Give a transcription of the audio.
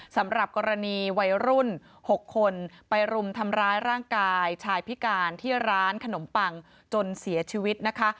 สำหรับกรณีวัยรุ่น๖คนไปรุมทำร้ายร่างกายชายพิการที่ร้านขนมปังจนเสียชีวิตนะคะ